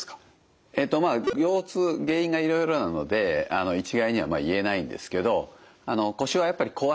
まあ腰痛原因がいろいろなので一概には言えないんですけど腰はやっぱり怖いのでね